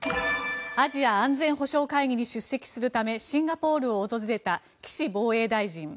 アジア安全保障会議に出席するためシンガポールを訪れた岸防衛大臣。